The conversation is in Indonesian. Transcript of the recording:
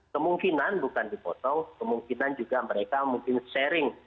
kemungkinan bukan dipotong kemungkinan juga mereka mungkin sharing